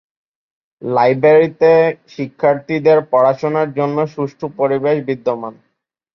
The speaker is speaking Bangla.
লাইব্রেরিতে শিক্ষার্থীদের পড়াশোনার জন্য সুষ্ঠু পরিবেশ বিদ্যমান।